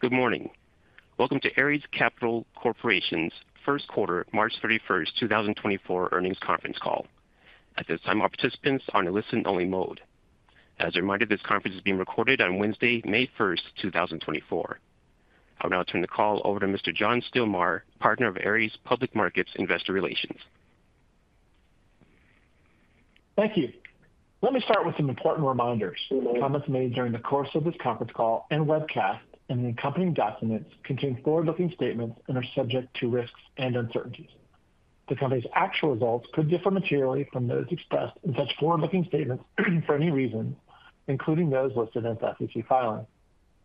Good morning. Welcome to Ares Capital Corporation's first quarter, March 31st, 2024 earnings conference call. At this time, all participants are in listen-only mode. As a reminder, this conference is being recorded on Wednesday, May 1st, 2024. I'll now turn the call over to Mr. John Stilmar, Partner of Ares Public Markets Investor Relations. Thank you. Let me start with some important reminders. Comments made during the course of this conference call and webcast, and the accompanying documents contain forward-looking statements and are subject to risks and uncertainties. The company's actual results could differ materially from those expressed in such forward-looking statements for any reason, including those listed in its SEC filing.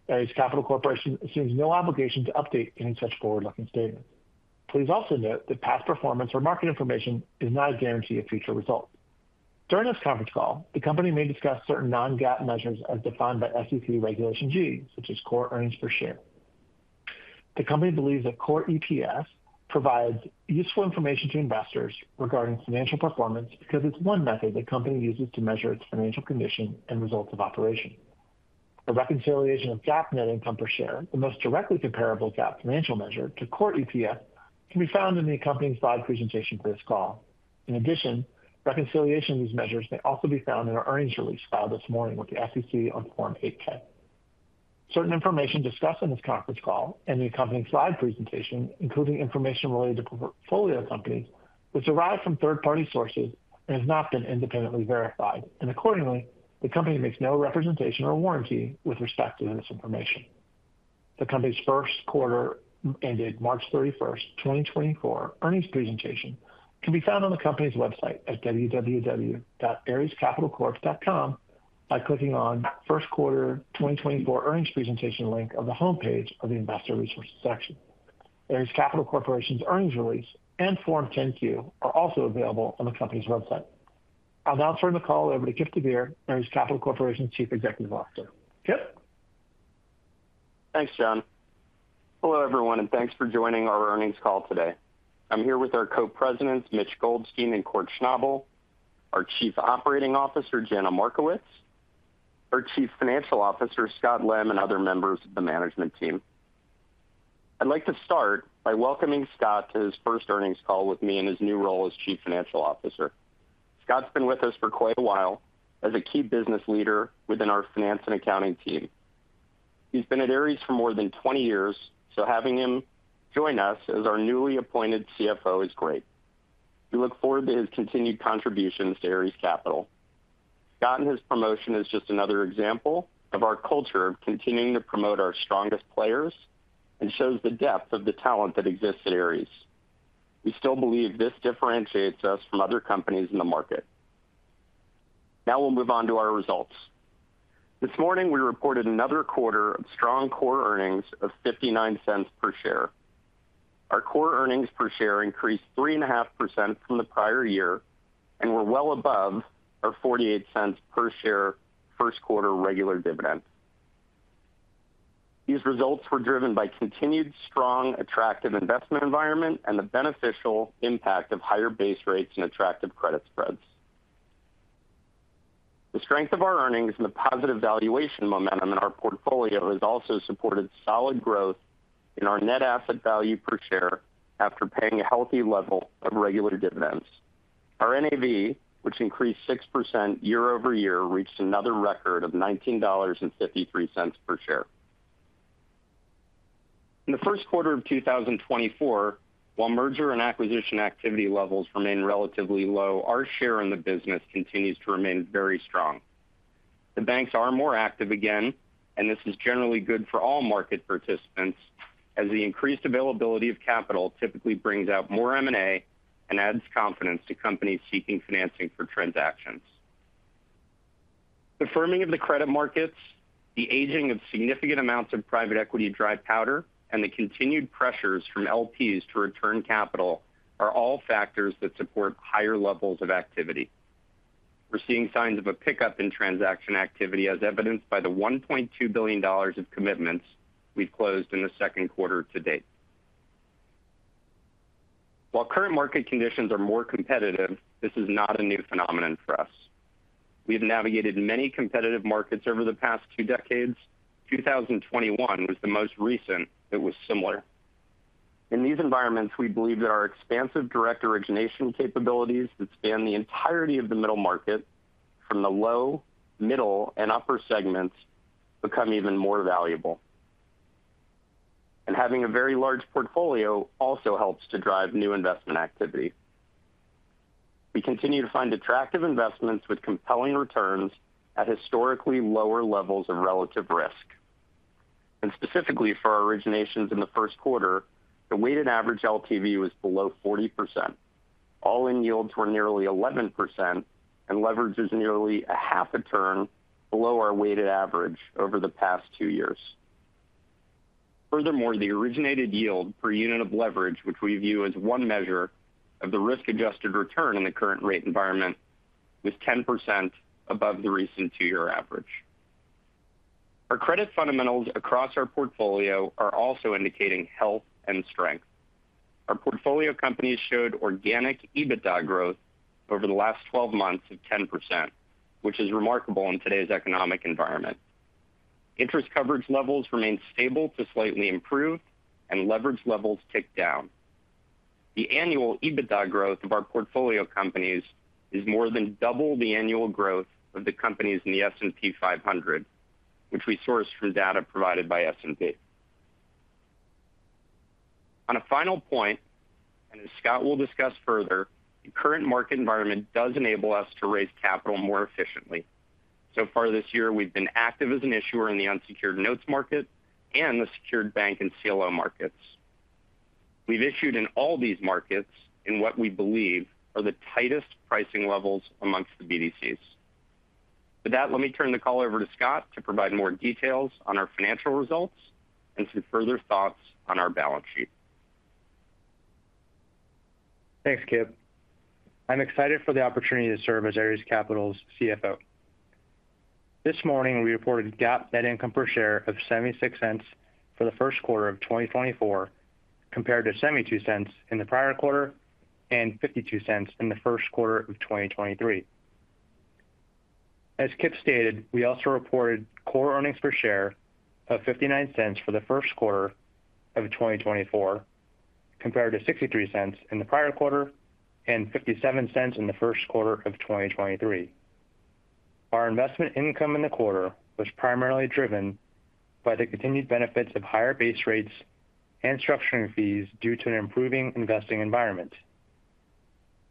Ares Capital Corporation assumes no obligation to update any such forward-looking statements. Please also note that past performance or market information is not a guarantee of future results. During this conference call, the company may discuss certain non-GAAP measures as defined by SEC Regulation G, such as core earnings per share. The company believes that core EPS provides useful information to investors regarding financial performance because it's one method the company uses to measure its financial condition and results of operations. A reconciliation of GAAP net income per share, the most directly comparable GAAP financial measure to core EPS, can be found in the accompanying slide presentation for this call. In addition, reconciliation of these measures may also be found in our earnings release filed this morning with the SEC on Form 8-K. Certain information discussed on this conference call and the accompanying slide presentation, including information related to portfolio companies, was derived from third-party sources and has not been independently verified, and accordingly, the company makes no representation or warranty with respect to this information. The company's first quarter ended March 31st, 2024. Earnings presentation can be found on the company's website at www.arescapitalcorp.com by clicking on First Quarter 2024 Earnings Presentation link on the homepage of the Investor Resources section. Ares Capital Corporation's earnings release and Form 10-Q are also available on the company's website. I'll now turn the call over to Kipp deVeer, Ares Capital Corporation's Chief Executive Officer. Kipp? Thanks, John. Hello, everyone, and thanks for joining our earnings call today. I'm here with our Co-Presidents, Mitch Goldstein and Kort Schnabel, our Chief Operating Officer, Jana Markowicz, our Chief Financial Officer, Scott Lem, and other members of the management team. I'd like to start by welcoming Scott to his first earnings call with me in his new role as Chief Financial Officer. Scott's been with us for quite a while as a key business leader within our finance and accounting team. He's been at Ares for more than 20 years, so having him join us as our newly appointed CFO is great. We look forward to his continued contributions to Ares Capital. Scott and his promotion is just another example of our culture continuing to promote our strongest players and shows the depth of the talent that exists at Ares. We still believe this differentiates us from other companies in the market. Now we'll move on to our results. This morning, we reported another quarter of strong core earnings of $0.59 per share. Our core earnings per share increased 3.5% from the prior year and were well above our $0.48 per share first quarter regular dividend. These results were driven by continued strong, attractive investment environment and the beneficial impact of higher base rates and attractive credit spreads. The strength of our earnings and the positive valuation momentum in our portfolio has also supported solid growth in our net asset value per share after paying a healthy level of regular dividends. Our NAV, which increased 6% year-over-year, reached another record of $19.53 per share. In the first quarter of 2024, while merger and acquisition activity levels remain relatively low, our share in the business continues to remain very strong. The banks are more active again, and this is generally good for all market participants, as the increased availability of capital typically brings out more M&A and adds confidence to companies seeking financing for transactions. The firming of the credit markets, the aging of significant amounts of private equity dry powder, and the continued pressures from LPs to return capital are all factors that support higher levels of activity. We're seeing signs of a pickup in transaction activity, as evidenced by the $1.2 billion of commitments we've closed in the second quarter to date. While current market conditions are more competitive, this is not a new phenomenon for us. We've navigated many competitive markets over the past two decades. 2021 was the most recent that was similar. In these environments, we believe that our expansive direct origination capabilities that span the entirety of the middle market from the low, middle, and upper segments become even more valuable. Having a very large portfolio also helps to drive new investment activity. We continue to find attractive investments with compelling returns at historically lower levels of relative risk. Specifically for our originations in the first quarter, the weighted average LTV was below 40%. All-in yields were nearly 11%, and leverage is nearly a half a turn below our weighted average over the past two years. Furthermore, the originated yield per unit of leverage, which we view as one measure of the risk-adjusted return in the current rate environment, was 10% above the recent two-year average. Our credit fundamentals across our portfolio are also indicating health and strength. Our portfolio companies showed organic EBITDA growth over the last 12 months of 10%, which is remarkable in today's economic environment. Interest coverage levels remained stable to slightly improved, and leverage levels ticked down. The annual EBITDA growth of our portfolio companies is more than double the annual growth of the companies in the S&P 500, which we sourced from data provided by S&P. On a final point, and as Scott will discuss further, the current market environment does enable us to raise capital more efficiently. So far this year, we've been active as an issuer in the unsecured notes market and the secured bank and CLO markets. We've issued in all these markets in what we believe are the tightest pricing levels amongst the BDCs. With that, let me turn the call over to Scott to provide more details on our financial results and some further thoughts on our balance sheet. Thanks, Kipp. I'm excited for the opportunity to serve as Ares Capital's CFO. This morning, we reported GAAP net income per share of $0.76 for the first quarter of 2024, compared to $0.72 in the prior quarter and $0.52 in the first quarter of 2023. As Kipp stated, we also reported core earnings per share of $0.59 for the first quarter of 2024, compared to $0.63 in the prior quarter and $0.57 in the first quarter of 2023. Our investment income in the quarter was primarily driven by the continued benefits of higher base rates and structuring fees due to an improving investing environment.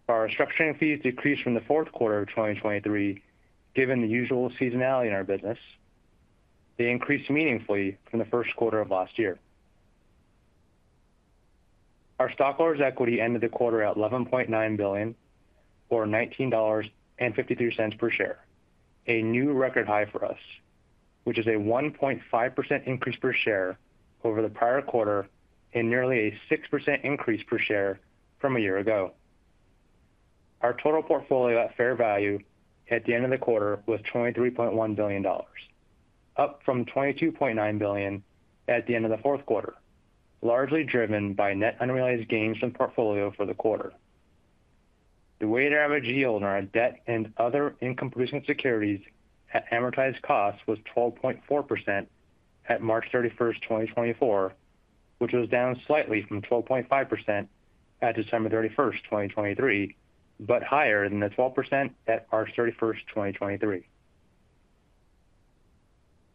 Our structuring fees decreased from the fourth quarter of 2023, given the usual seasonality in our business. They increased meaningfully from the first quarter of last year. Our stockholders' equity ended the quarter at $11.9 billion, or $19.52 per share, a new record high for us, which is a 1.5% increase per share over the prior quarter and nearly a 6% increase per share from a year ago. Our total portfolio at fair value at the end of the quarter was $23.1 billion, up from $22.9 billion at the end of the fourth quarter, largely driven by net unrealized gains in portfolio for the quarter. The weighted average yield on our debt and other income-producing securities at amortized costs was 12.4% at March 31st, 2024, which was down slightly from 12.5% at December 31, 2023, but higher than the 12% at March 31, 2023.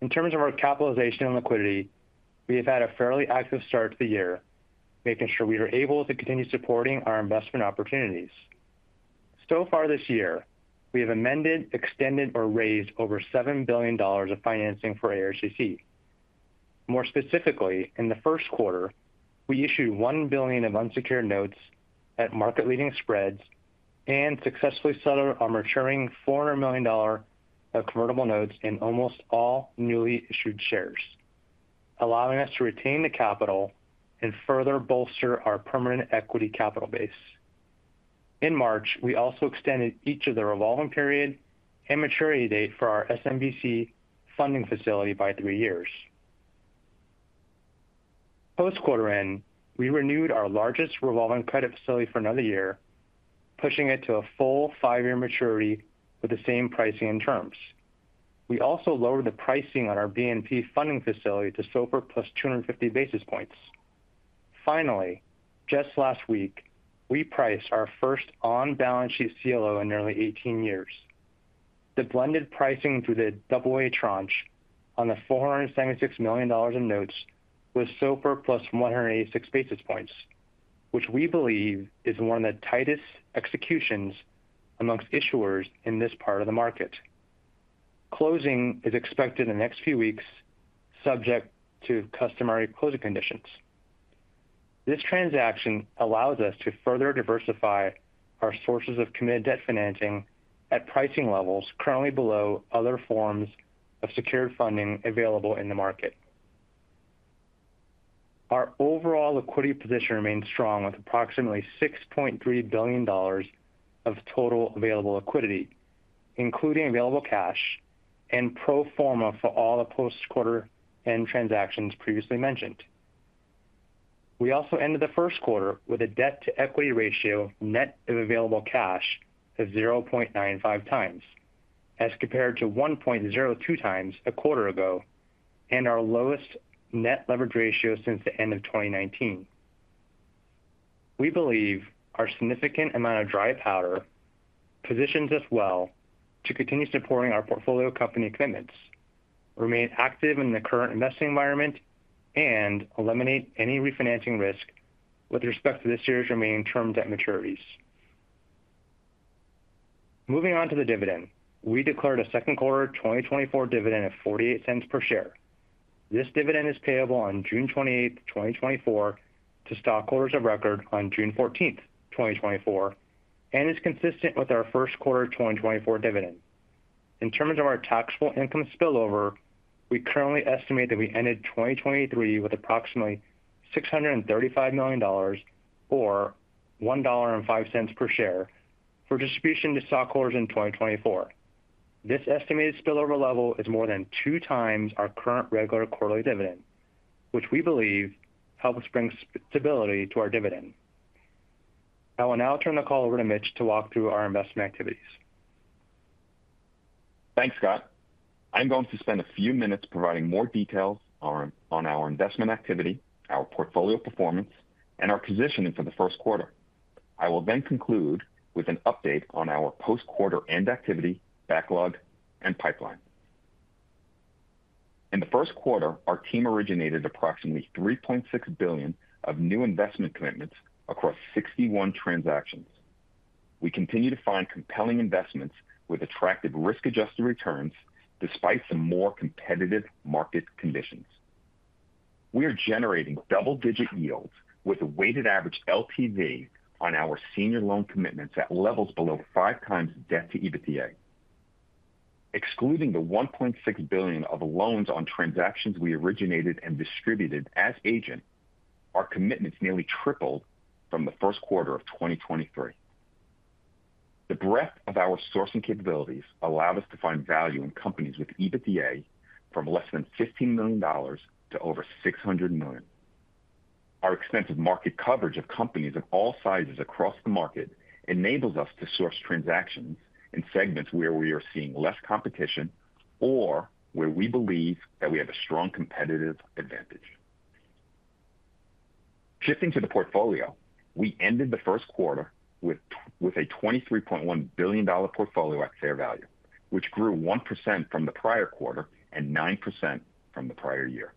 In terms of our capitalization and liquidity, we have had a fairly active start to the year, making sure we are able to continue supporting our investment opportunities. So far this year, we have amended, extended, or raised over $7 billion of financing for ARCC. More specifically, in the first quarter, we issued $1 billion of unsecured notes at market-leading spreads and successfully settled our maturing $400 million of convertible notes in almost all newly issued shares, allowing us to retain the capital and further bolster our permanent equity capital base. In March, we also extended each of the revolving period and maturity date for our SMBC funding facility by three years. Post-quarter end, we renewed our largest revolving credit facility for another year, pushing it to a full five-year maturity with the same pricing and terms. We also lowered the pricing on our BNP funding facility to SOFR +250 basis points. Finally, just last week, we priced our first on-balance sheet CLO in nearly 18 years. The blended pricing through the AA tranche on the $476 million in notes was SOFR +186 basis points, which we believe is one of the tightest executions amongst issuers in this part of the market. Closing is expected in the next few weeks, subject to customary closing conditions. This transaction allows us to further diversify our sources of committed debt financing at pricing levels currently below other forms of secured funding available in the market. Our overall liquidity position remains strong, with approximately $6.3 billion of total available liquidity, including available cash and pro forma for all the post-quarter end transactions previously mentioned. We also ended the first quarter with a debt-to-equity ratio net of available cash of 0.95x, as compared to 1.02x a quarter ago, and our lowest net leverage ratio since the end of 2019. We believe our significant amount of dry powder positions us well to continue supporting our portfolio company commitments, remain active in the current investing environment, and eliminate any refinancing risk with respect to this year's remaining term debt maturities. Moving on to the dividend. We declared a second quarter 2024 dividend of $0.48 per share. This dividend is payable on June 28th, 2024, to stockholders of record on June 14th, 2024, and is consistent with our first quarter of 2024 dividend. In terms of our taxable income spillover, we currently estimate that we ended 2023 with approximately $635 million or $1.05 per share for distribution to stockholders in 2024. This estimated spillover level is more than 2x our current regular quarterly dividend, which we believe helps bring stability to our dividend. I will now turn the call over to Mitch to walk through our investment activities. Thanks, Scott. I'm going to spend a few minutes providing more details on our investment activity, our portfolio performance, and our positioning for the first quarter. I will then conclude with an update on our post-quarter end activity, backlog, and pipeline. In the first quarter, our team originated approximately $3.6 billion of new investment commitments across 61 transactions. We continue to find compelling investments with attractive risk-adjusted returns, despite some more competitive market conditions. We are generating double-digit yields with a weighted average LTV on our senior loan commitments at levels below 5x debt-to-EBITDA. Excluding the $1.6 billion of loans on transactions we originated and distributed as agent, our commitments nearly tripled from the first quarter of 2023. The breadth of our sourcing capabilities allow us to find value in companies with EBITDA from less than $15 million to over $600 million. Our extensive market coverage of companies of all sizes across the market enables us to source transactions in segments where we are seeing less competition or where we believe that we have a strong competitive advantage. Shifting to the portfolio, we ended the first quarter with with a $23.1 billion portfolio at fair value, which grew 1% from the prior quarter and 9% from the prior year.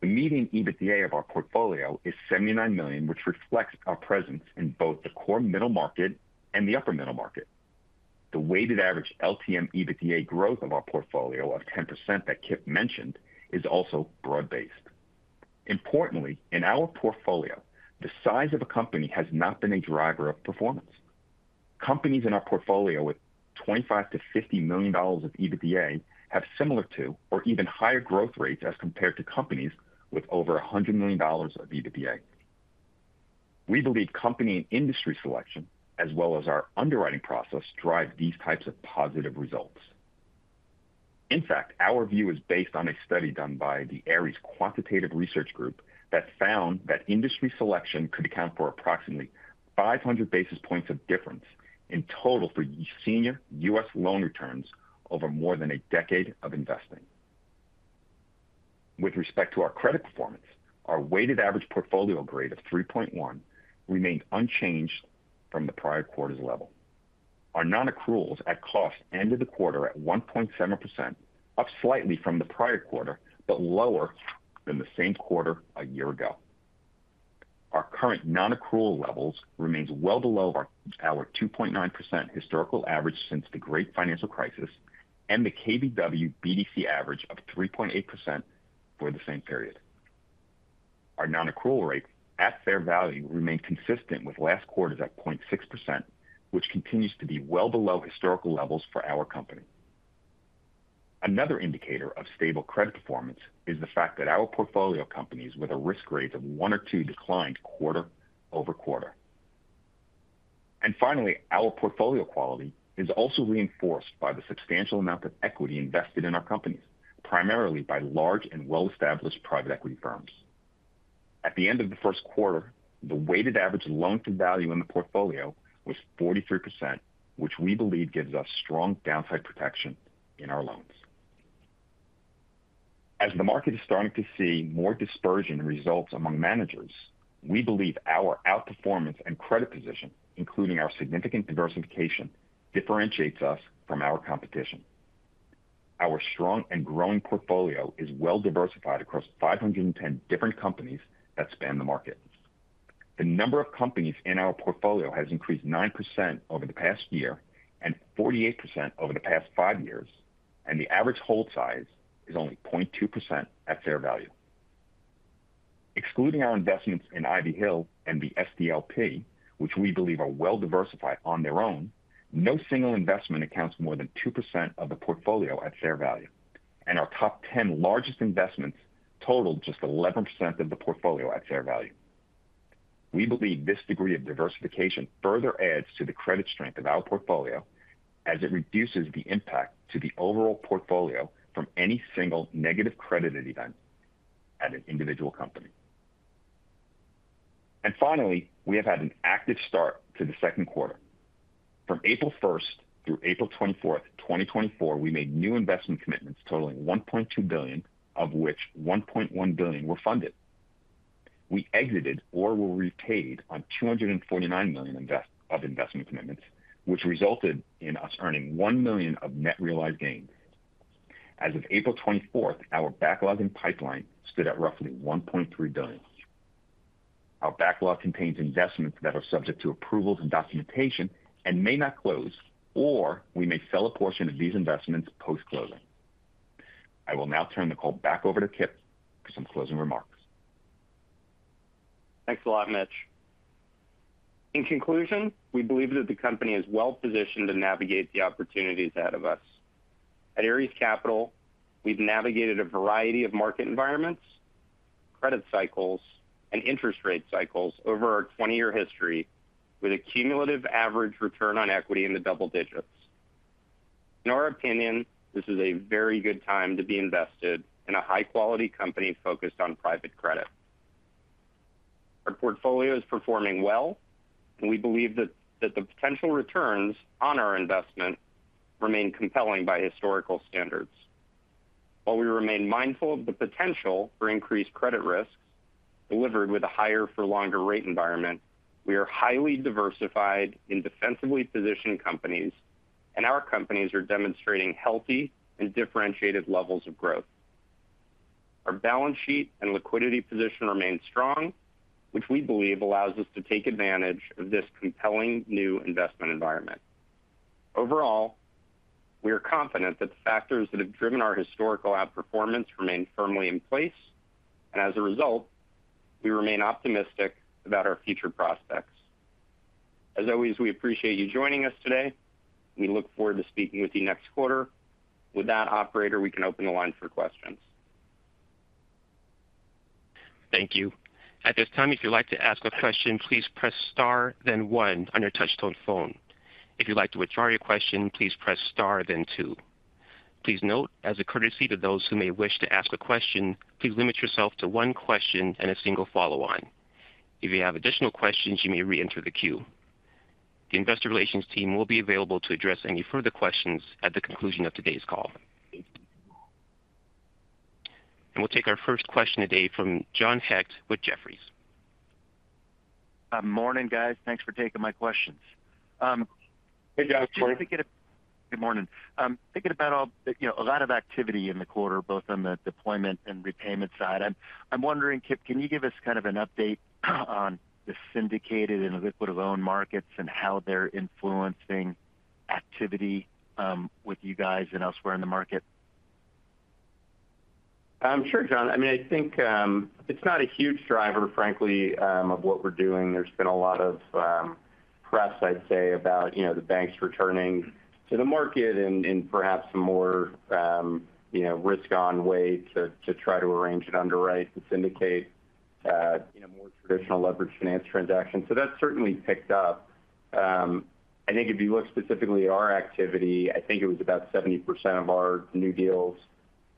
The median EBITDA of our portfolio is $79 million, which reflects our presence in both the core middle market and the upper middle market. The weighted average LTM EBITDA growth of our portfolio of 10% that Kipp mentioned is also broad-based. Importantly, in our portfolio, the size of a company has not been a driver of performance. Companies in our portfolio with $25 million-$50 million of EBITDA have similar to or even higher growth rates as compared to companies with over $100 million of EBITDA. We believe company and industry selection, as well as our underwriting process, drive these types of positive results. In fact, our view is based on a study done by the Ares Quantitative Research Group, that found that industry selection could account for approximately 500 basis points of difference in total for senior U.S. loan returns over more than a decade of investing. With respect to our credit performance, our weighted average portfolio grade of 3.1 remained unchanged from the prior quarter's level. Our non-accruals at cost ended the quarter at 1.7%, up slightly from the prior quarter, but lower than the same quarter a year ago. Our current non-accrual levels remains well below our two point nine percent historical average since the Great Financial Crisis, and the KBW BDC average of 3.8% for the same period. Our non-accrual rate at fair value remained consistent with last quarter's at 0.6%, which continues to be well below historical levels for our company. Another indicator of stable credit performance is the fact that our portfolio companies with a risk grade of 1 or 2 declined quarter-over-quarter. And finally, our portfolio quality is also reinforced by the substantial amount of equity invested in our companies, primarily by large and well-established private equity firms. At the end of the first quarter, the weighted average loan to value in the portfolio was 43%, which we believe gives us strong downside protection in our loans. As the market is starting to see more dispersion in results among managers, we believe our outperformance and credit position, including our significant diversification, differentiates us from our competition. Our strong and growing portfolio is well diversified across 510 different companies that span the market. The number of companies in our portfolio has increased 9% over the past year and 48% over the past five years, and the average hold size is only 0.2% at fair value. Excluding our investments in Ivy Hill and the SDLP, which we believe are well diversified on their own, no single investment accounts for more than 2% of the portfolio at fair value, and our top 10 largest investments total just 11% of the portfolio at fair value. We believe this degree of diversification further adds to the credit strength of our portfolio as it reduces the impact to the overall portfolio from any single negative credit event at an individual company. And finally, we have had an active start to the second quarter. From April 1st through April 24th, 2024, we made new investment commitments totaling $1.2 billion, of which $1.1 billion were funded. We exited or were repaid on $249 million of investment commitments, which resulted in us earning $1 million of net realized gains. As of April 24th, our backlog in pipeline stood at roughly $1.3 billion. Our backlog contains investments that are subject to approvals and documentation and may not close, or we may sell a portion of these investments post-closing. I will now turn the call back over to Kipp for some closing remarks. Thanks a lot, Mitch. In conclusion, we believe that the company is well positioned to navigate the opportunities ahead of us. At Ares Capital, we've navigated a variety of market environments, credit cycles, and interest rate cycles over our 20-year history, with a cumulative average return on equity in the double digits. In our opinion, this is a very good time to be invested in a high-quality company focused on private credit. Our portfolio is performing well, and we believe that the potential returns on our investment remain compelling by historical standards. While we remain mindful of the potential for increased credit risks delivered with a higher for longer rate environment, we are highly diversified in defensively positioned companies, and our companies are demonstrating healthy and differentiated levels of growth. Our balance sheet and liquidity position remain strong, which we believe allows us to take advantage of this compelling new investment environment. Overall, we are confident that the factors that have driven our historical outperformance remain firmly in place, and as a result, we remain optimistic about our future prospects. As always, we appreciate you joining us today. We look forward to speaking with you next quarter. With that, operator, we can open the line for questions. Thank you. At this time, if you'd like to ask a question, please press star, then one on your touch-tone phone. If you'd like to withdraw your question, please press star, then two. Please note, as a courtesy to those who may wish to ask a question, please limit yourself to one question and a single follow-on. If you have additional questions, you may reenter the queue. The investor relations team will be available to address any further questions at the conclusion of today's call. We'll take our first question today from John Hecht with Jefferies. Morning, guys. Thanks for taking my questions. Hey, John. Good morning. Thinking about all, you know, a lot of activity in the quarter, both on the deployment and repayment side. I'm wondering, Kipp, can you give us kind of an update on the syndicated and illiquid loan markets and how they're influencing activity with you guys and elsewhere in the market? Sure, John. I mean, I think, it's not a huge driver, frankly, of what we're doing. There's been a lot of press, I'd say, about, you know, the banks returning to the market and, and perhaps some more, you know, risk on way to try to arrange and underwrite and syndicate, you know, more traditional leveraged finance transactions. So that certainly picked up. I think if you look specifically at our activity, I think it was about 70% of our new deals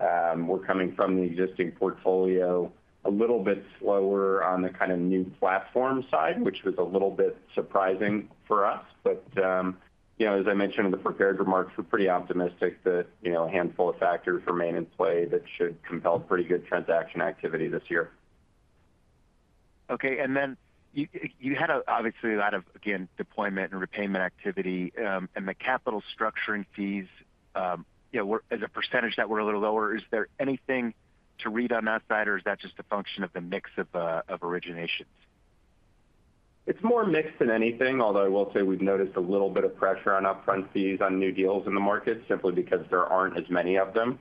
were coming from the existing portfolio, a little bit slower on the kind of new platform side, which was a little bit surprising for us. But, you know, as I mentioned in the prepared remarks, we're pretty optimistic that, you know, a handful of factors remain in play that should compel pretty good transaction activity this year. Okay. Then you had, obviously, a lot of, again, deployment and repayment activity, and the capital structuring fees, you know, were as a percentage that were a little lower. Is there anything to read on that side, or is that just a function of the mix of originations? It's more mixed than anything, although I will say we've noticed a little bit of pressure on upfront fees on new deals in the market, simply because there aren't as many of them.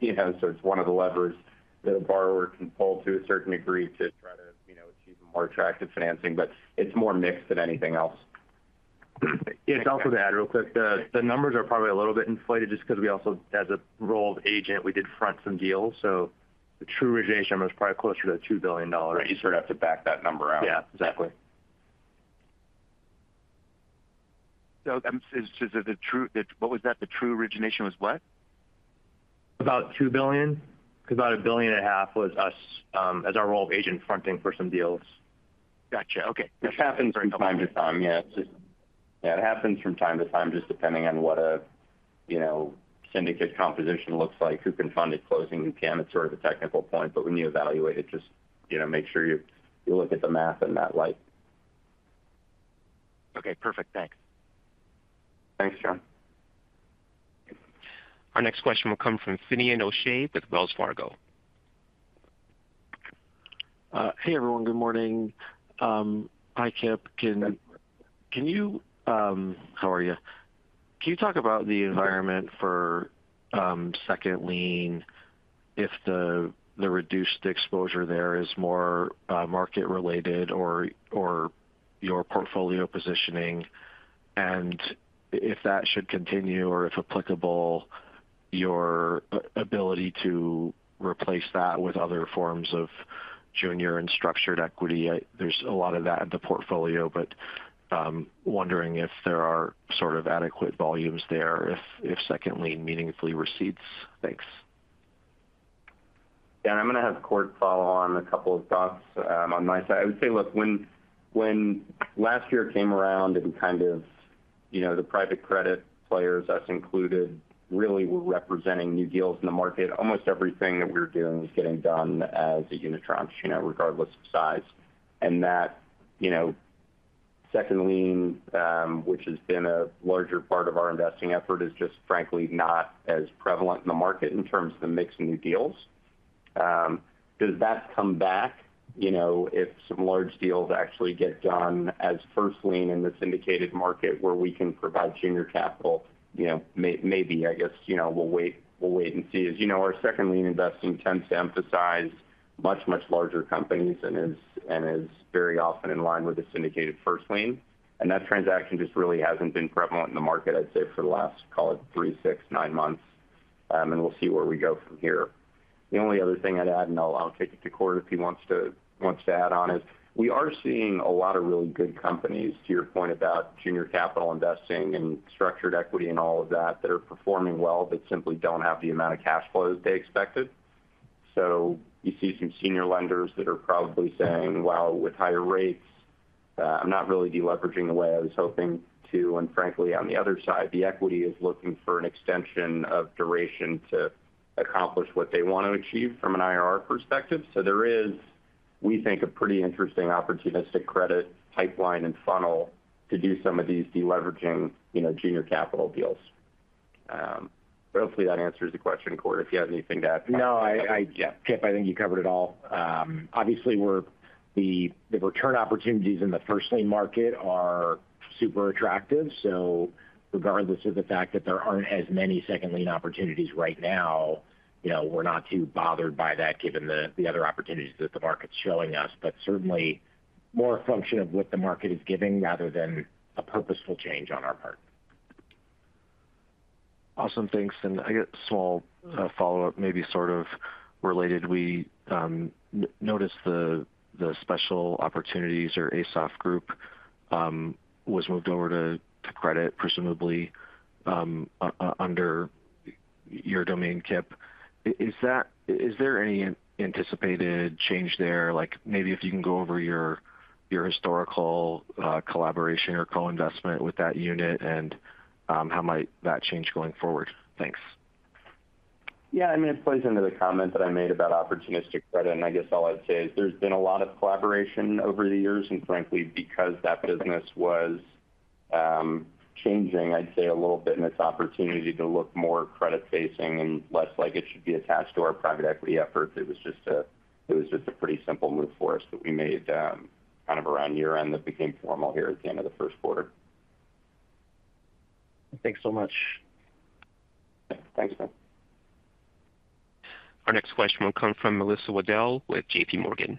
You know, so it's one of the levers that a borrower can pull to a certain degree to try to, you know, achieve a more attractive financing, but it's more mixed than anything else. Yeah, just also to add real quick, the numbers are probably a little bit inflated just because we also, as a role of agent, we did front some deals, so the true origination was probably closer to $2 billion. You sort of have to back that number out. Yeah, exactly. What was that? The true origination was what? About $2 billion, because about $1.5 billion was us, as our role of agent fronting for some deals. Got you. Okay. Which happens from time to time. Yeah, it happens from time to time, just depending on what a, you know, syndicate composition looks like, who can fund it closing and can. It's sort of a technical point, but when you evaluate it, just, you know, make sure you look at the math in that light. Okay, perfect. Thanks. Thanks, John. Our next question will come from Finian O'Shea with Wells Fargo. Hey, everyone. Good morning. Hi, Kipp. Can— Hey. Can you talk about the environment for second lien, if the reduced exposure there is more market related or your portfolio positioning? And if that should continue or, if applicable, your ability to replace that with other forms of junior and structured equity. There's a lot of that in the portfolio, but wondering if there are sort of adequate volumes there, if second lien meaningfully recedes. Thanks. Yeah. I'm going to have Kort follow on a couple of thoughts on my side. I would say, look, when last year came around and kind of, you know, the private credit players, us included, really were representing new deals in the market, almost everything that we were doing was getting done as a unitranche, you know, regardless of size. And that, you know, second lien, which has been a larger part of our investing effort, is just, frankly, not as prevalent in the market in terms of the mix of new deals. Does that come back, you know, if some large deals actually get done as first lien in the syndicated market where we can provide junior capital? You know, maybe. I guess, you know, we'll wait and see. As you know, our second lien investing tends to emphasize much, much larger companies and is very often in line with the syndicated first lien. And that transaction just really hasn't been prevalent in the market, I'd say, for the last, call it, three, six, nine months, and we'll see where we go from here. The only other thing I'd add, and I'll take it to Kort if he wants to add on, is we are seeing a lot of really good companies, to your point about junior capital investing and structured equity and all of that, that are performing well but simply don't have the amount of cash flow that they expected. So you see some senior lenders that are probably saying, "Well, with higher rates, I'm not really deleveraging the way I was hoping to." And frankly, on the other side, the equity is looking for an extension of duration to accomplish what they want to achieve from an IRR perspective. So there is, we think, a pretty interesting opportunistic credit pipeline and funnel to do some of these deleveraging, you know, junior capital deals. But hopefully that answers the question, Kort. If you have anything to add? No, I— Yeah. Kipp, I think you covered it all. Obviously, the return opportunities in the first lien market are super attractive, so regardless of the fact that there aren't as many second lien opportunities right now, you know, we're not too bothered by that given the other opportunities that the market's showing us. But certainly, more a function of what the market is giving rather than a purposeful change on our part. Awesome. Thanks. I guess small follow-up, maybe sort of related. We noticed the Special Opportunities or ASOF group was moved over to credit, presumably under your domain, Kipp. Is that—is there any anticipated change there? Like, maybe if you can go over your historical collaboration or co-investment with that unit, and how might that change going forward? Thanks. Yeah, I mean, it plays into the comment that I made about opportunistic credit, and I guess all I'd say is there's been a lot of collaboration over the years. And frankly, because that business was changing, I'd say, a little bit in this opportunity to look more credit-facing and less like it should be attached to our private equity efforts, it was just a pretty simple move for us that we made, kind of around year-end that became formal here at the end of the first quarter. Thanks so much. Thanks, Fin. Our next question will come from Melissa Wedel with JPMorgan.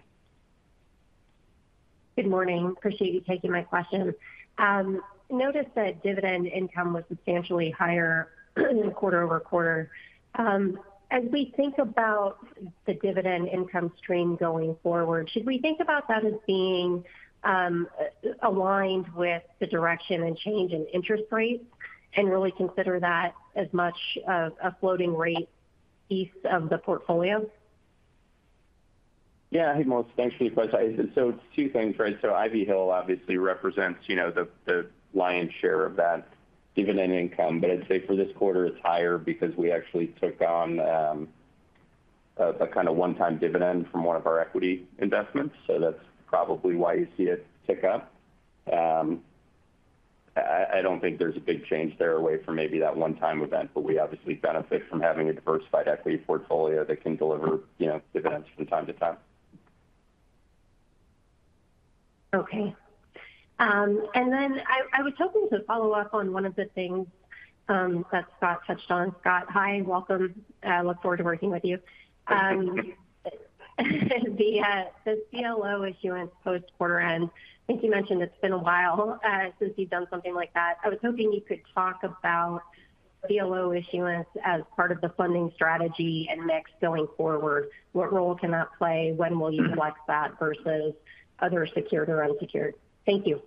Good morning. Appreciate you taking my question. Noticed that dividend income was substantially higher quarter-over-quarter. As we think about the dividend income stream going forward, should we think about that as being, aligned with the direction and change in interest rates, and really consider that as much of a floating rate piece of the portfolio? Yeah, I think, Melissa, thanks for your question. So it's two things, right? So Ivy Hill obviously represents, you know, the lion's share of that dividend income. But I'd say for this quarter, it's higher because we actually took on a kind of one-time dividend from one of our equity investments, so that's probably why you see it tick up. I don't think there's a big change there away from maybe that one-time event, but we obviously benefit from having a diversified equity portfolio that can deliver, you know, dividends from time to time. Okay. And then I was hoping to follow up on one of the things that Scott touched on. Scott, hi, and welcome. I look forward to working with you. The CLO issuance post-quarter end. I think you mentioned it's been a while since you've done something like that. I was hoping you could talk about CLO issuance as part of the funding strategy and next going forward. What role can that play? When will you collect that versus other secured or unsecured? Thank you.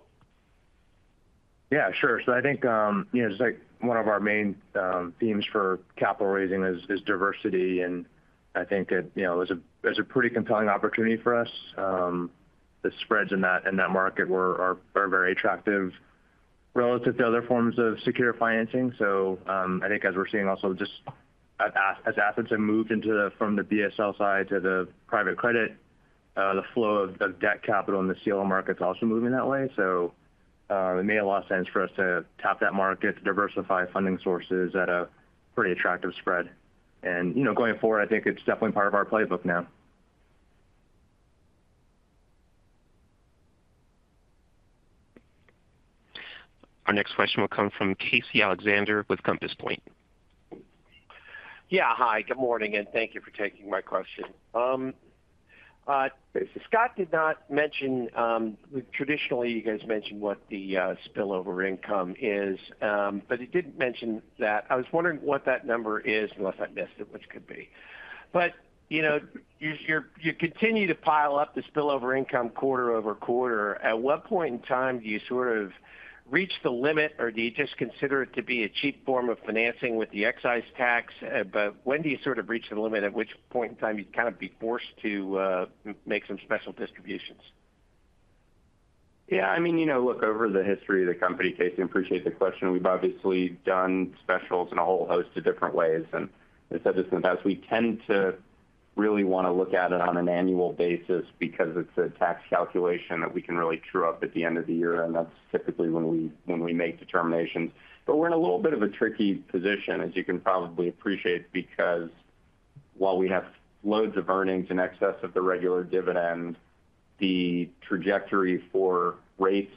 Yeah, sure. So I think, you know, it's like one of our main themes for capital raising is diversity, and I think that, you know, it was a pretty compelling opportunity for us. The spreads in that market are very attractive relative to other forms of secured financing. So, I think as we're seeing also just as assets have moved from the BSL side to the private credit, the flow of the debt capital in the CLO market is also moving that way. So, it made a lot of sense for us to tap that market to diversify funding sources at a pretty attractive spread. And, you know, going forward, I think it's definitely part of our playbook now. Our next question will come from Casey Alexander with Compass Point. Yeah. Hi, good morning, and thank you for taking my question. Scott did not mention—traditionally, you guys mention what the spillover income is, but he didn't mention that. I was wondering what that number is, unless I missed it, which could be. But, you know, you continue to pile up the spillover income quarter-over-quarter. At what point in time do you sort of reach the limit, or do you just consider it to be a cheap form of financing with the excise tax? But when do you sort of reach the limit, at which point in time you'd kind of be forced to make some special distributions? Yeah, I mean, you know, look, over the history of the company, Casey, I appreciate the question. We've obviously done specials in a whole host of different ways. And I said this in the past, we tend to really want to look at it on an annual basis because it's a tax calculation that we can really true up at the end of the year, and that's typically when we make determinations. But we're in a little bit of a tricky position, as you can probably appreciate, because while we have loads of earnings in excess of the regular dividend, the trajectory for rates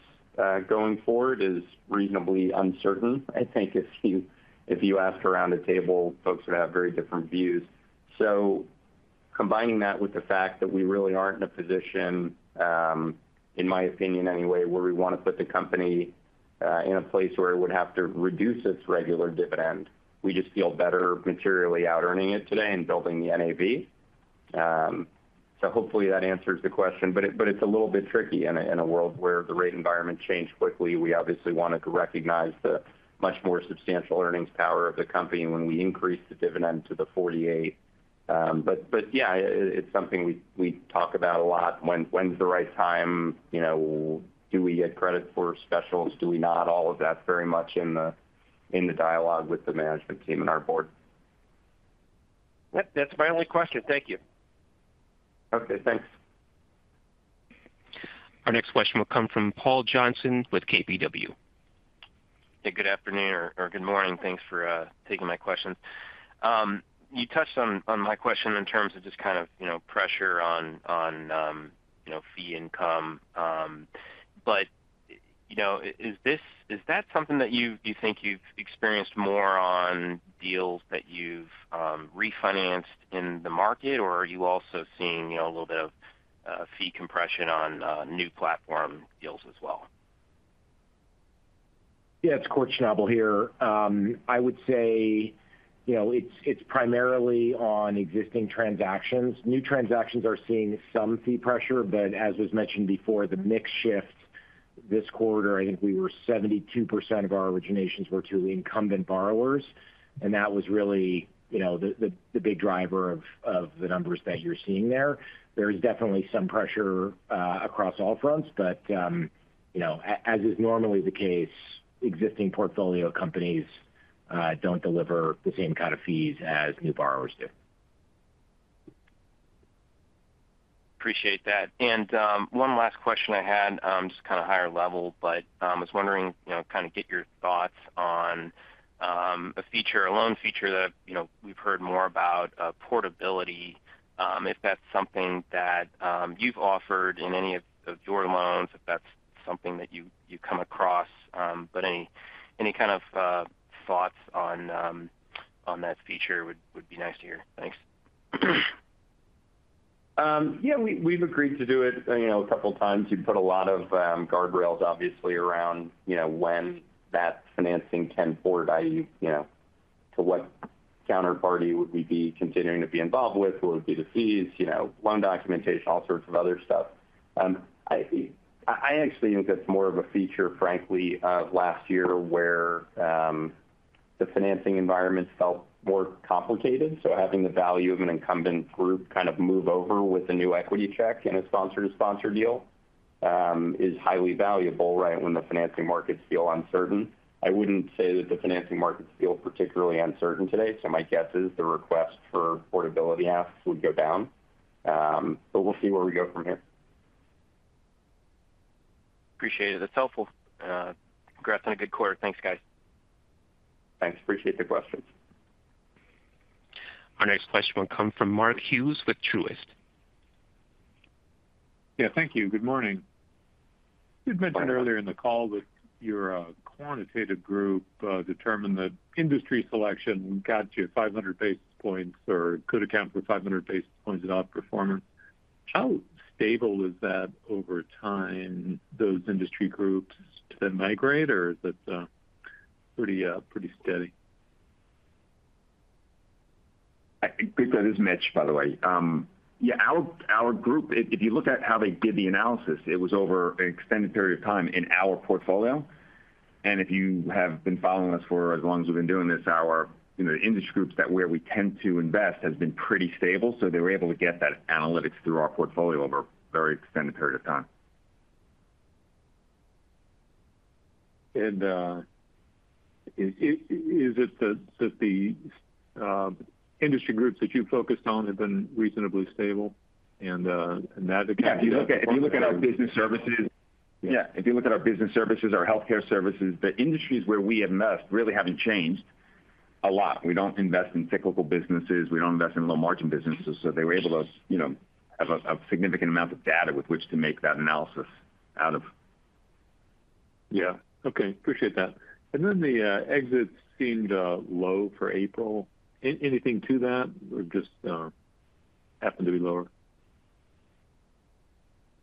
going forward is reasonably uncertain. I think if you ask around the table, folks would have very different views. So combining that with the fact that we really aren't in a position, in my opinion anyway, where we want to put the company in a place where it would have to reduce its regular dividend, we just feel better materially outearning it today and building the NAV. So hopefully that answers the question, but it, but it's a little bit tricky in a world where the rate environment changed quickly. We obviously wanted to recognize the much more substantial earnings power of the company when we increased the dividend to the $0.48. But, but yeah, it, it's something we talk about a lot. When's the right time? You know, do we get credit for specials? Do we not? All of that's very much in the dialogue with the management team and our board. Yep, that's my only question. Thank you. Okay, thanks. Our next question will come from Paul Johnson with KBW. Hey, good afternoon or good morning. Thanks for taking my questions. You touched on my question in terms of just kind of, you know, pressure on fee income. But you know, is that something that you think you've experienced more on deals that you've refinanced in the market? Or are you also seeing, you know, a little bit of fee compression on new platform deals as well? Yeah, it's Kort Schnabel here. I would say, you know, it's primarily on existing transactions. New transactions are seeing some fee pressure, but as was mentioned before, the mix shift this quarter, I think we were 72% of our originations were to incumbent borrowers, and that was really, you know, the big driver of the numbers that you're seeing there. There is definitely some pressure across all fronts, but, you know, as is normally the case, existing portfolio companies don't deliver the same kind of fees as new borrowers do. Appreciate that. And, one last question I had, just kind of higher level, but, I was wondering, you know, kind of get your thoughts on, a feature, a loan feature that, you know, we've heard more about, portability. If that's something that, you've offered in any of your loans, if that's something that you come across. But any kind of thoughts on that feature would be nice to hear. Thanks. Yeah, we've agreed to do it, you know, a couple of times. You put a lot of guardrails obviously around, you know, when that financing can go forward, i.e., you know, to what counterparty would we be continuing to be involved with? What would be the fees? You know, loan documentation, all sorts of other stuff. I actually think that's more of a feature, frankly, of last year, where the financing environment felt more complicated. So having the value of an incumbent group kind of move over with a new equity check in a sponsor-to-sponsor deal is highly valuable, right, when the financing markets feel uncertain. I wouldn't say that the financing markets feel particularly uncertain today, so my guess is the request for portability asks would go down. But we'll see where we go from here. Appreciate it. That's helpful. Congrats on a good quarter. Thanks, guys. Thanks. Appreciate the questions. Our next question will come from Mark Hughes with Truist. Yeah, thank you. Good morning. You'd mentioned earlier in the call that your quantitative group determined that industry selection got you 500 basis points, or could account for 500 basis points of outperformance. How stable is that over time, those industry groups to migrate, or is it pretty, pretty steady? This is Mitch, by the way. Yeah, our group, if you look at how they did the analysis, it was over an extended period of time in our portfolio. And if you have been following us for as long as we've been doing this, our, you know, industry groups that where we tend to invest has been pretty stable. So they were able to get that analytics through our portfolio over a very extended period of time. Is it that the industry groups that you focused on have been reasonably stable and that- Yeah, if you look at our business services, our healthcare services, the industries where we invest really haven't changed a lot. We don't invest in cyclical businesses. We don't invest in low-margin businesses. So they were able to, you know, have a significant amount of data with which to make that analysis out of. Yeah. Okay. Appreciate that. And then the exits seemed low for April. Anything to that, or just happened to be lower?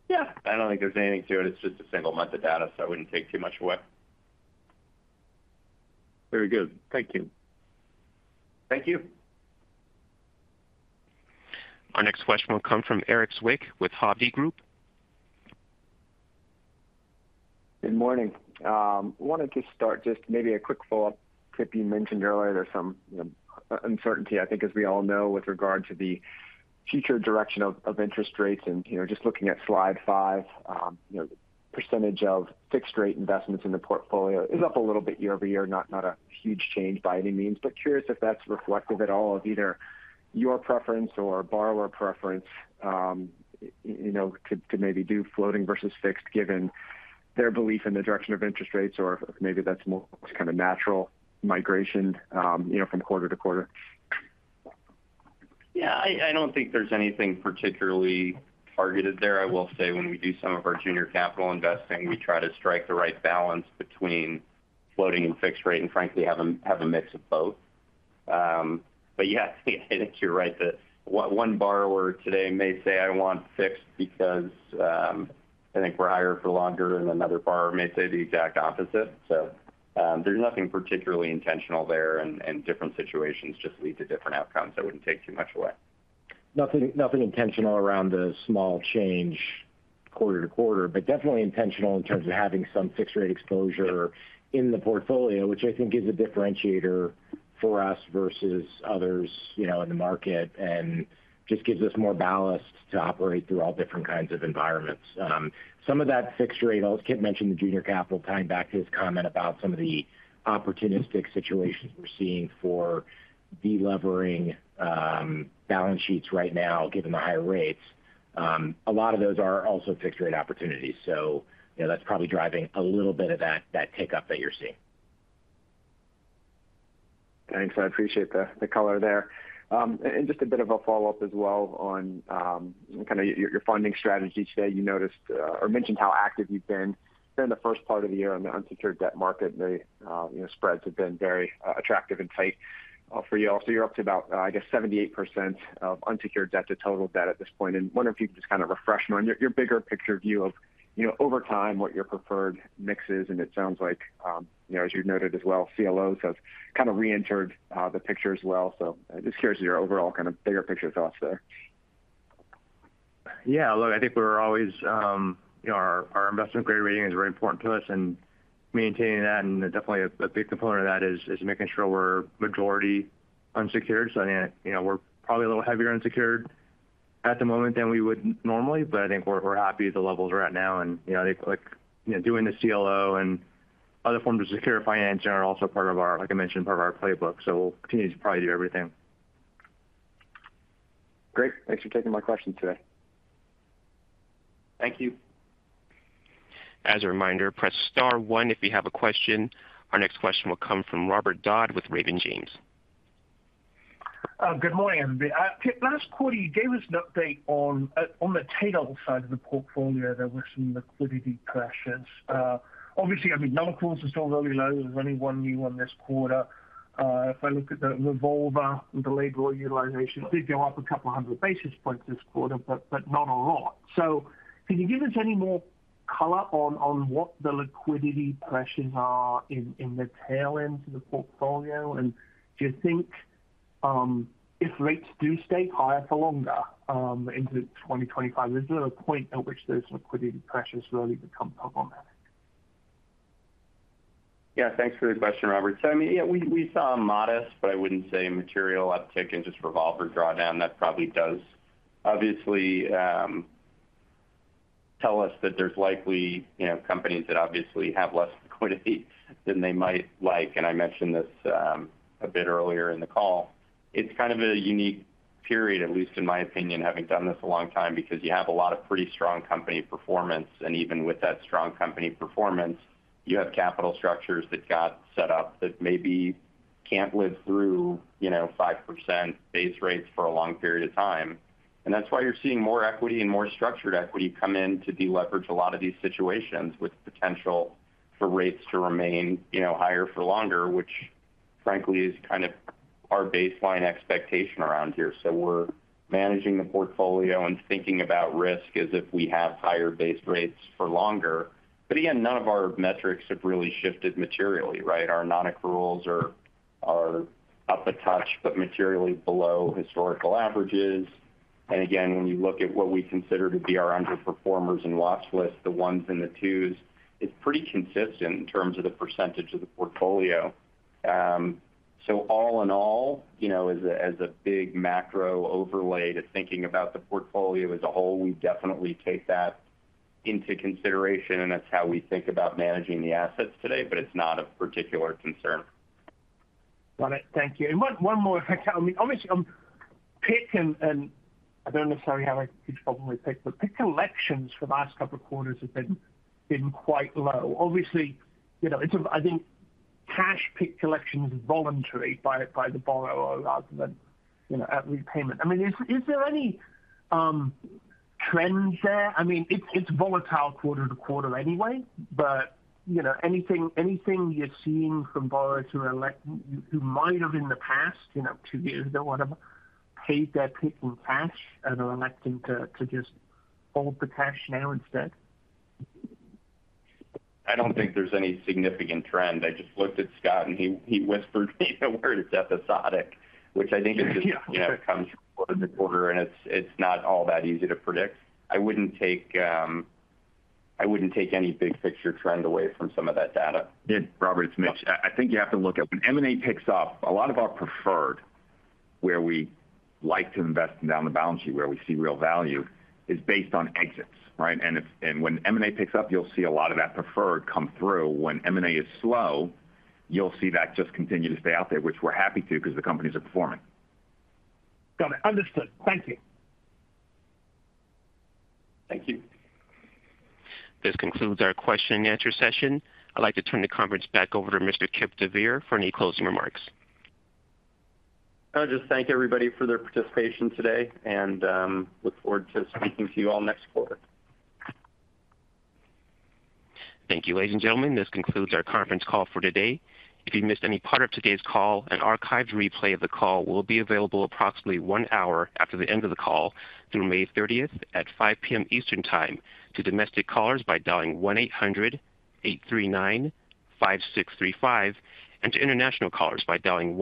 Yeah. I don't think there's anything to it. It's just a single month of data, so I wouldn't take too much away. Very good. Thank you. Thank you. Our next question will come from Erik Zwick with Hovde Group. Good morning. Wanted to start just maybe a quick follow-up. I think you mentioned earlier, there's some, you know, uncertainty, I think, as we all know, with regard to the future direction of interest rates. And, you know, just looking at slide five, you know, percentage of fixed rate investments in the portfolio is up a little bit year-over-year. Not, not a huge change by any means, but curious if that's reflective at all of either your preference or borrower preference, you know, to maybe do floating versus fixed, given their belief in the direction of interest rates, or maybe that's more kind of natural migration, you know, from quarter-to-quarter? Yeah, I don't think there's anything particularly targeted there. I will say when we do some of our junior capital investing, we try to strike the right balance between floating and fixed rate, and frankly, have a mix of both. But yeah, I think you're right that one borrower today may say, "I want fixed because I think we're higher for longer," and another borrower may say the exact opposite. So, there's nothing particularly intentional there, and different situations just lead to different outcomes. I wouldn't take too much away. Nothing, nothing intentional around the small change quarter-to-quarter, but definitely intentional in terms of having some fixed rate exposure in the portfolio, which I think is a differentiator for us versus others, you know, in the market, and just gives us more ballast to operate through all different kinds of environments. Some of that fixed rate, I know Kipp mentioned the junior capital, tying back to his comment about some of the opportunistic situations we're seeing for deleveraging, balance sheets right now, given the higher rates. A lot of those are also fixed-rate opportunities, so, you know, that's probably driving a little bit of that, that tick-up that you're seeing. Thanks. I appreciate the color there. And just a bit of a follow-up as well on kind of your funding strategy today. You noticed or mentioned how active you've been during the first part of the year on the unsecured debt market. The you know, spreads have been very attractive and tight for you all. So you're up to about I guess 78% of unsecured debt to total debt at this point. And wonder if you could just kind of refresh me on your bigger picture view of you know, over time, what your preferred mix is. And it sounds like you know, as you've noted as well, CLOs have kind of reentered the picture as well. So just curious of your overall kind of bigger picture thoughts there. Yeah, look, I think we're always. You know, our investment grade rating is very important to us and maintaining that, and definitely a big component of that is making sure we're majority unsecured. So, I mean, you know, we're probably a little heavier unsecured at the moment than we would normally, but I think we're happy at the levels we're at now. And, you know, I think, like, you know, doing the CLO and other forms of secured finance are also part of our, like I mentioned, part of our playbook, so we'll continue to probably do everything. Great. Thanks for taking my question today. Thank you. As a reminder, press star one if you have a question. Our next question will come from Robert Dodd with Raymond James. Good morning, everybody. Kipp, last quarter, you gave us an update on the tail side of the portfolio; there were some liquidity pressures. Obviously, I mean, non-accruals are still really low. There's only one new one this quarter. If I look at the revolver, the revolver utilization did go up a couple of hundred basis points this quarter, but, but not a lot. So can you give us any more color on what the liquidity pressures are in the tail end of the portfolio? And do you think, if rates do stay higher for longer, into 2025, is there a point at which those liquidity pressures really become problematic? Yeah, thanks for the question, Robert. So I mean, yeah, we, we saw a modest, but I wouldn't say material, uptick in just revolver drawdown. That probably does obviously tell us that there's likely, you know, companies that obviously have less liquidity than they might like. And I mentioned this a bit earlier in the call. It's kind of a unique period, at least in my opinion, having done this a long time, because you have a lot of pretty strong company performance, and even with that strong company performance, you have capital structures that got set up that maybe can't live through, you know, 5% base rates for a long period of time. That's why you're seeing more equity and more structured equity come in to deleverage a lot of these situations with potential for rates to remain, you know, higher for longer, which frankly, is kind of our baseline expectation around here. We're managing the portfolio and thinking about risk as if we have higher base rates for longer. But again, none of our metrics have really shifted materially, right? Our non-accruals are up a touch, but materially below historical averages. And again, when you look at what we consider to be our underperformers and watch list, the ones and the twos, it's pretty consistent in terms of the percentage of the portfolio. So all in all, you know, as a big macro overlay to thinking about the portfolio as a whole, we definitely take that into consideration, and that's how we think about managing the assets today, but it's not of particular concern. Got it. Thank you. And one more. I mean, obviously, PIK, and I don't necessarily have a huge problem with PIK, but PIK collections for the last couple of quarters have been quite low. Obviously, you know, I think cash PIK collection is voluntary by the borrower rather than, you know, at repayment. I mean, is there any trends there? I mean, it's volatile quarter-to-quarter anyway, but, you know, anything you're seeing from borrowers who elect who might have in the past, you know, two years or whatever, paid their PIK in cash and are electing to just hold the cash now instead? I don't think there's any significant trend. I just looked at Scott, and he whispered me the word, it's episodic, which I think is just— Yeah. You know, comes quarter-to-quarter, and it's, it's not all that easy to predict. I wouldn't take, I wouldn't take any big picture trend away from some of that data. Yeah, Robert, it's Mitch. I, I think you have to look at when M&A picks up, a lot of our preferred, where we like to invest down the balance sheet, where we see real value, is based on exits, right? And it's, and when M&A picks up, you'll see a lot of that preferred come through. When M&A is slow, you'll see that just continue to stay out there, which we're happy to, because the companies are performing. Got it. Understood. Thank you. Thank you. This concludes our question-and-answer session. I'd like to turn the conference back over to Mr. Kipp deVeer for any closing remarks. I'll just thank everybody for their participation today and, look forward to speaking to you all next quarter. Thank you, ladies and gentlemen. This concludes our conference call for today. If you missed any part of today's call, an archived replay of the call will be available approximately one hour after the end of the call through May 30th at 5 P.M. Eastern Time to domestic callers by dialing 1-800-839-5635, and to international callers by dialing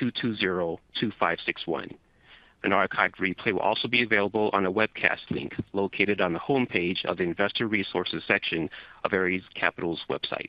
1-402-220-2561. An archived replay will also be available on a webcast link located on the homepage of the Investor Resources section of Ares Capital's website.